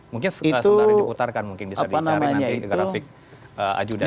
mungkin setelah sementara diputarkan mungkin bisa dicari nanti grafik ajudannya